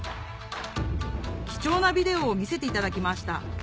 貴重なビデオを見せていただきました